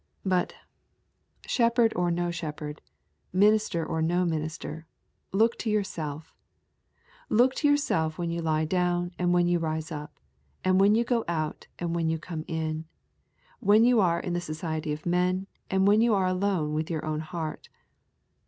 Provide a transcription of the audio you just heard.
But, shepherd or no shepherd, minister or no minister, look to yourself. Look to yourself when you lie down and when you rise up; when you go out and when you come in; when you are in the society of men and when you are alone with your own heart.